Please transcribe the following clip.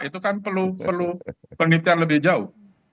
itu kan perlu penelitian lebih jauh